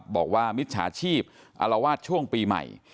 บอกว่ามิตรชาชีพอลวาดช่วงปีใหม่